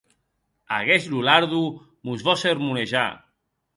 Aguest Lolardo mos vò sermonejar.